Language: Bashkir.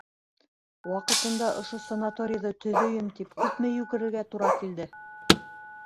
Ваҡытында ошо санаторийҙы төҙөйөм тип күпме йүгерергә тура килде.